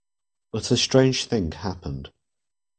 But a strange thing happened.